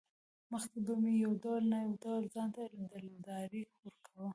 مخکې به مې يو ډول نه يو ډول ځانته دلداري ورکوه.